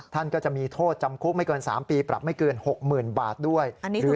ท่านก็จะมีโทษจำคุกไม่เกิน๓ปีปรับไม่เกิน๖๐๐๐บาทด้วย